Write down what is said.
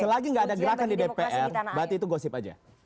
selagi nggak ada gerakan di dpr berarti itu gosip aja